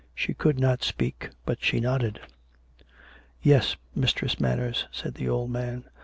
She could not speak, but she nodded. " Yes, Mistress Manners," said the old man.